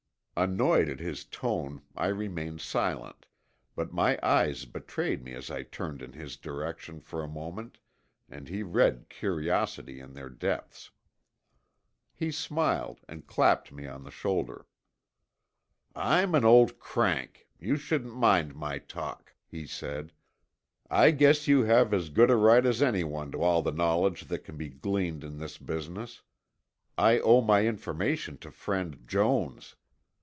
Annoyed at his tone I remained silent, but my eyes betrayed me as I turned in his direction for a moment and he read curiosity in their depths. He smiled and clapped me on the shoulder. "I'm an old crank. You shouldn't mind my talk," he said. "I guess you have as good a right as anyone to all the knowledge that can be gleaned in this business. I owe my information to friend Jones.